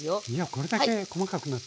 これだけ細かくなって。